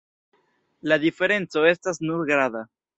La diferenco estas nur grada.